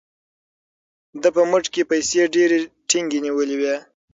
ده په موټ کې پیسې ډېرې ټینګې نیولې وې.